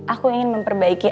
aku ingin memperbaiki